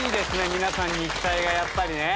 皆さん肉体がやっぱりね。